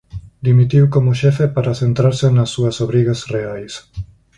Dimitiu como xefe para centrarse nas súas obrigas reais.